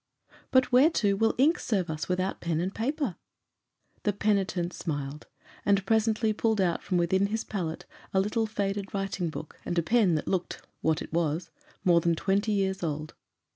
"But whereto will ink serve us without pen and paper?" The penitent smiled; and presently pulled out from within his pallet a little faded writing book, and a pen that looked what it was more than twenty years old.